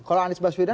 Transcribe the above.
kalau anies basvidan